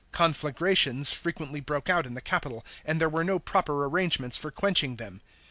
Conflagrations frequently broke out in the capital, and there were'no proper arrangements for quench ing them.